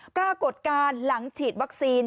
ปรากฏการณ์หลังฉีดวัคซีน